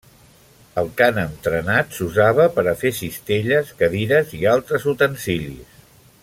El cànem trenat s'usava per a fer cistelles, cadires i altres utensilis.